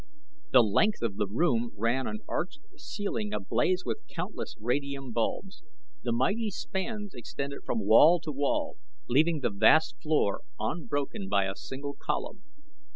The length of the room ran an arched ceiling ablaze with countless radium bulbs. The mighty spans extended from wall to wall leaving the vast floor unbroken by a single column.